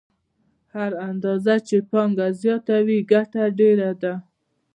هره اندازه چې پانګه زیاته وي ګټه ډېره ده